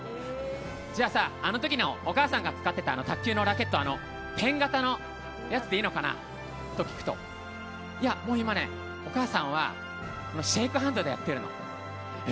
じゃあさ、あの時にお母さんが使ってた卓球のラケットペン型のやつでいいのかな？と聞くといや、もう今ね、お母さんはシェイクハンドでやってるの。え？